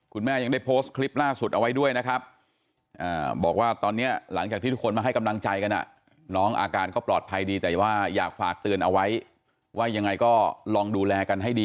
คุณแม่ยังได้โพสต์คลิปล่าสุดเอาไว้ด้วยนะครับบอกว่าตอนนี้หลังจากที่ทุกคนมาให้กำลังใจกันนะ